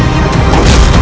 kian san dalam